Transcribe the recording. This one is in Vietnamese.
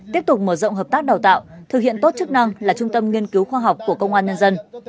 tiếp tục mở rộng hợp tác đào tạo thực hiện tốt chức năng là trung tâm nghiên cứu khoa học của công an nhân dân